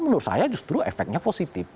menurut saya justru efeknya positif